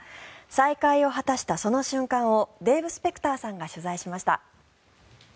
再会を果たしたその瞬間をデーブ・スペクターさんが取材しました。